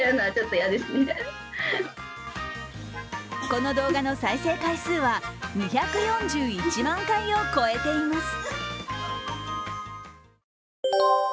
この動画の再生回数は２４１万回を超えています。